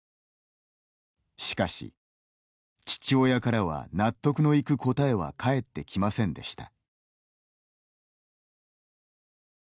しかし、父親からは納得のいく答えは返ってきませんでした。